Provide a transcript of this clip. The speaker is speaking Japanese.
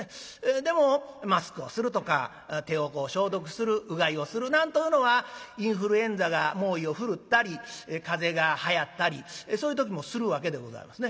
でもマスクをするとか手を消毒するうがいをするなんというのはインフルエンザが猛威を振るったり風邪がはやったりそういう時もするわけでございますね。